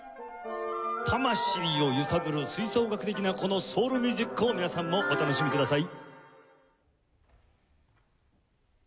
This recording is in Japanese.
魂を揺さぶる吹奏楽的なこのソウルミュージックを皆さんもお楽しみください。